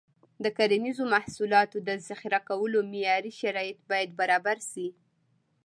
د کرنیزو محصولاتو د ذخیره کولو معیاري شرایط باید برابر شي.